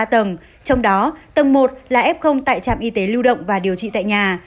trong đó tầng một là f tại trạm y tế lưu động và điều trị tại nhà